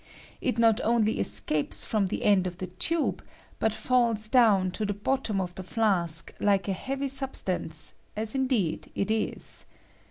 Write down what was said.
It not only es capes from the end of the tube, but falls down to the bottom of the flask like a heavy sub stance, as indeed it is.